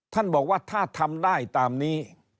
ท่านบอกว่าถ้าทำได้ตามนี้